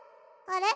あれ？